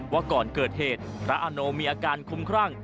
ว่าก่อนเกิดเหตุพระอาโนมีอาการคุ้มครั่ง